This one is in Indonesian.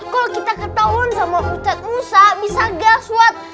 kalau kita ketahuan sama ustadz musa bisa gaswat